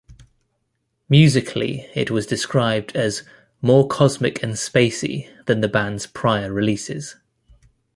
Musically it was described as "more cosmic and spacey" than the band's prior releases.